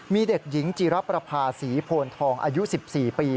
มีเด็กหญิงจีรประภาษีโพนทองอายุ๑๔ปี